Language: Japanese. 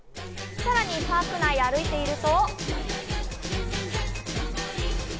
さらにパーク内を歩いていると。